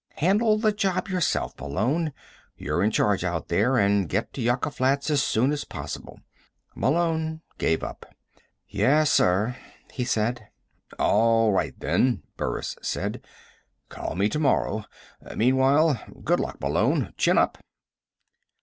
Handle the job yourself, Malone you're in charge out there. And get to Yucca Flats as soon as possible." Malone gave up. "Yes, sir," he said. "All right, then," Burris said. "Call me tomorrow. Meanwhile good luck, Malone. Chin up."